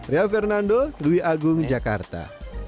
ria fernando dwi agung jakarta